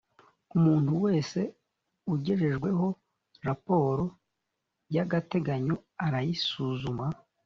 umuntu wese ugejejweho raporo y’agateganyo arayisuzuma